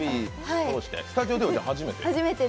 じゃあスタジオでは初めて？